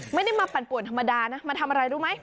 ไม่ได้มาปั่นป่วนธรรมดานะมาทำอะไรรู้ไหม